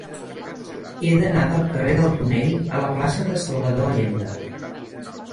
He d'anar del carrer del Tonell a la plaça de Salvador Allende.